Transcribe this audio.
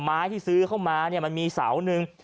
ไม้ที่ซื้อมามันมีเสาหนึ่ง